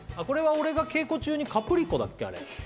これは稽古中にカプリコだっけ？